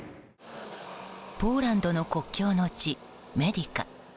ポーランドの国境の地メディカ。